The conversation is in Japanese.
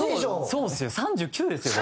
そうですよ３９ですよ